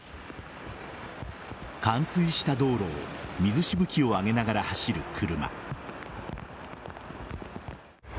冠水した道路を水しぶきを上げながら走る車。